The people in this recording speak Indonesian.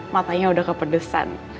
matanya udah kepedesan